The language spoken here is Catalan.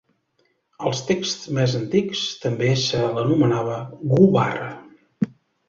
Als texts més antics, també se l'anomenava Gubarra.